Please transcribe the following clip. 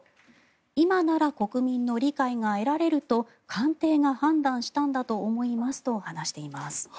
今なら国民の理解が得られると官邸が判断したんだと思いますと話しています。